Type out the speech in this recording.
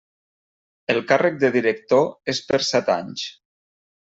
El càrrec de director és per set anys.